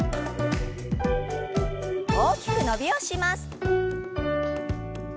大きく伸びをします。